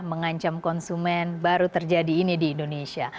mengancam konsumen baru terjadi ini di indonesia